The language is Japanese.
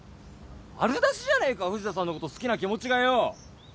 丸出しじゃねえか藤田さんのこと好きな気持ちがよ。